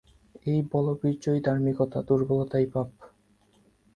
এই বলবীর্যই ধার্মিকতা, দুর্বলতাই পাপ।